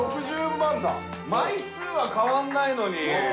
枚数は変わらないのに。